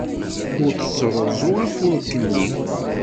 Ur d-ttruẓu afurk-nni.